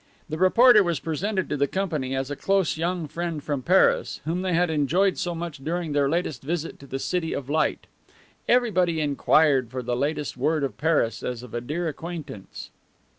The reporter was presented to the company as a close young friend from Paris whom they had enjoyed so much during their latest visit to the City of Light. Everybody inquired for the latest word of Paris as of a dear acquaintance.